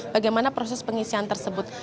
bagaimana proses pengisian tersebut